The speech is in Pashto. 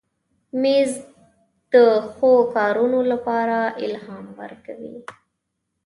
مېز د ښو کارونو لپاره الهام ورکوي.